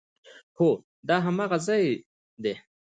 هو، دا هماغه ځای ده